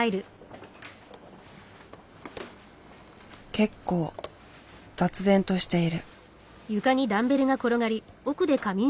結構雑然としている。